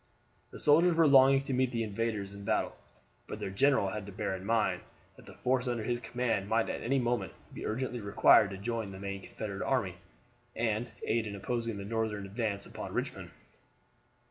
The soldiers were longing to meet the invaders in battle, but their general had to bear in mind that the force under his command might at any moment be urgently required to join the main Confederate army and aid in opposing the Northern advance upon Richmond.